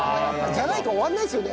じゃないと終わらないですよね。